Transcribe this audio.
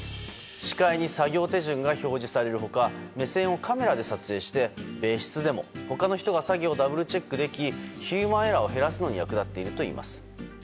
視界に作業手順が表示される他目線をカメラで撮影して別室でも他の作業をダブルチェックすることができヒューマンエラーを減らすのに役立っているといいます。